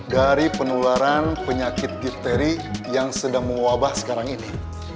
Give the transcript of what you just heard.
dari penularan penyakit difteri yang sedang mewabah sekarang ini